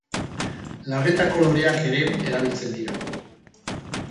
Larretako loreak ere erabiltzen dira.